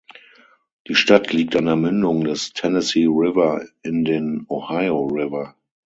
Die Stadt liegt an der Mündung des Tennessee River in den Ohio River.